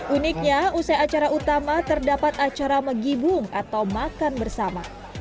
uniknya usai acara utama terdapat acara megibung atau makan bersama